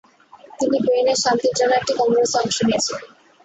তিনি বের্নে শান্তির জন্য একটি কংগ্রেসে অংশ নিয়েছিলেন।